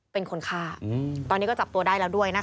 เป็นคนฆ่าตอนนี้ก็จับตัวได้แล้วด้วยนะคะ